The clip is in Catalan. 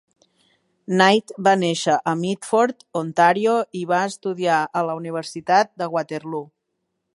Knight va néixer a Meaford, Ontario i va estudiar a la Universitat de Waterloo.